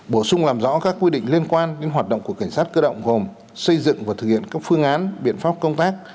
bổ sung làm rõ các quy định liên quan đến hoạt động của cảnh sát cơ động gồm xây dựng và thực hiện các phương án biện pháp công tác